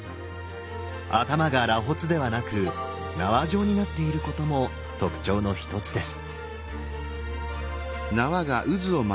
頭が螺髪ではなく縄状になっていることも特徴の一つです。